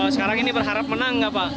sekarang ini berharap menang nggak pak